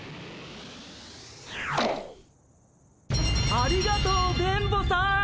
ありがとう電ボさん！